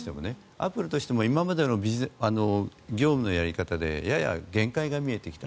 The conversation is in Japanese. アップルとしても今までの業務のやり方でやや限界が見えてきた。